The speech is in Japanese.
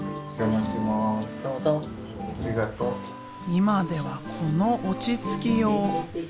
今ではこの落ち着きよう。